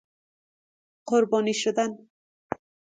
قربانی شدن